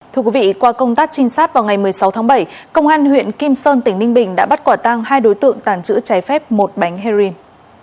thưa quý vị qua công tác trinh sát vào ngày một mươi sáu tháng bảy công an huyện kim sơn tỉnh ninh bình đã bắt quả tăng hai đối tượng tàng trữ trái phép một bánh heroin